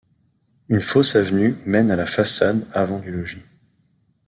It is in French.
Une fausse avenue mène à la façade avant du logis.